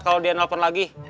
kalau dia nelfon lagi